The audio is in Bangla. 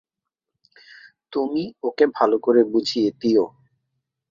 তুমি ওকে ভালো করে বুঝিয়ে দিও।